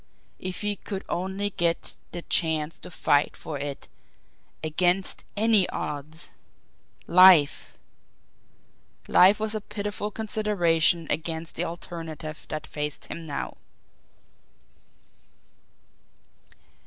If he could only get the chance to fight for it against ANY odds! Life! Life was a pitiful consideration against the alternative that faced him now!